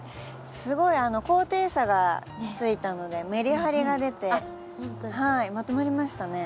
すごい高低差がついたのでメリハリが出てまとまりましたね。